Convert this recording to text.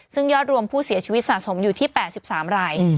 ซึ่งยอดรวมผู้เสียชีวิตสะสมอยู่ที่๘๓ราย